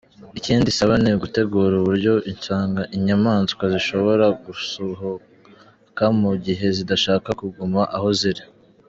Ikindi isaba ni ugutegura uburyo inyamaswa zishobora gusuhuka mu gihe zidashaka kuguma aho ziri.